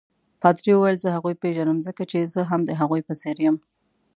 پادري وویل: زه هغوی پیژنم ځکه چې زه هم د هغوی په څېر یم.